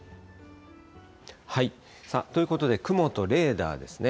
ということで、雲とレーダーですね。